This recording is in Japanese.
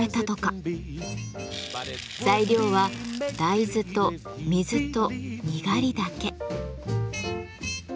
材料は大豆と水とにがりだけ。